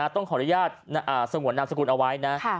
ต้องขออนุญาตสงวนนามสกุลเอาไว้นะ